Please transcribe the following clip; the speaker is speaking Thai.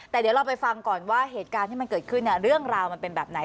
แต่เดี๋ยวเราไปฟังก่อนว่าเหตุการณ์ที่มันเกิดขึ้นเรื่องราวมันเป็นแบบไหน